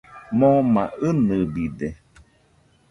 Moma inɨbide.